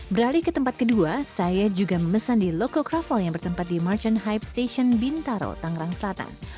beralih ke tempat kedua saya juga memesan di loko kroffel yang bertempat di merchant hype station bintaro tangerang selatan